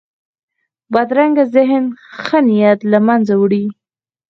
بدرنګه ذهن ښه نیت له منځه وړي